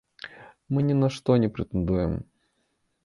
Мы не на што не прэтэндуем.